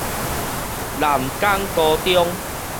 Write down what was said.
南港高中